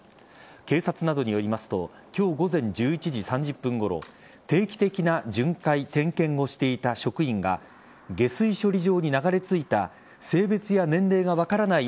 警察などによりますと今日午前１１時３０分ごろ定期的な巡回・点検をしていた職員が下水処理場に流れ着いた性別や年齢が分からない